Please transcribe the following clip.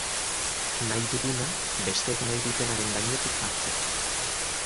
Nahi duguna, besteek nahi dutenaren gainetik jartzeko.